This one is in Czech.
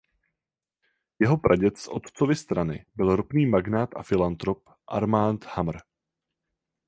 Jeho praděd z otcovy strany byl ropný magnát a filantrop Armand Hammer.